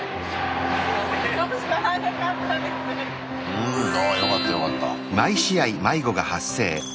うんああよかったよかった。